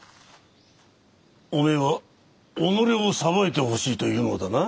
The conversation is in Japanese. おめえは己を裁いてほしいと言うのだな？